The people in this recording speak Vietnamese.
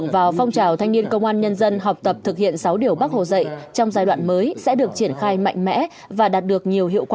và đạt được nhiều hiệu quả và đạt được nhiều kết quả